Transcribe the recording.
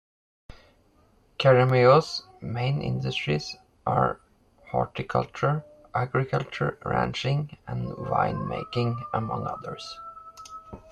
Keremeos' main industries are horticulture, agriculture, ranching, and wine making, among others.